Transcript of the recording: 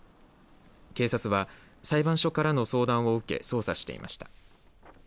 警察は裁判所からの相談を受け捜査していました。